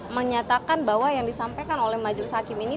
menyatakan bahwa yang disampaikan oleh majuris hakim ini